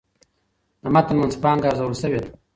د متن منځپانګه ارزول شوې ده.